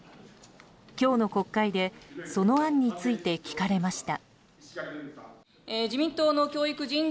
今日の国会でその案について聞かれました。